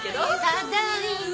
ただいま。